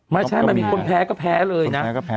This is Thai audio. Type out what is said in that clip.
ไม่ใช่มันมีคนแพ้ก็แพ้เลยนะ